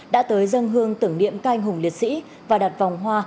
đã tới dân hương tưởng niệm ca anh hùng liệt sĩ và đặt vòng hoa